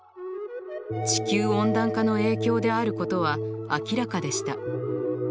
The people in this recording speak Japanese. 地球温暖化の影響であることは明らかでした。